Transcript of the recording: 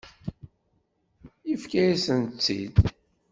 Yefka-yasen-tt-id.